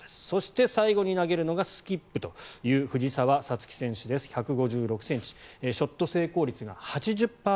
そして最後に投げるのがスキップという藤澤五月選手です１５６ｃｍショット成功率が８０％。